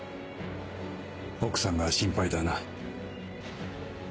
奥さんが心配だな。